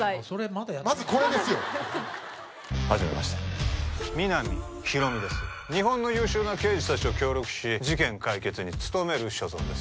まだまずこれですよはじめまして皆実広見です日本の優秀な刑事達と協力し事件解決に努める所存です